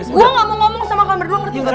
gue gak mau ngomong sama kalian berdua ngerti gak